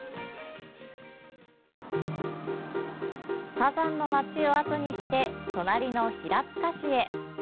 サザンの町をあとにして隣の平塚市へ。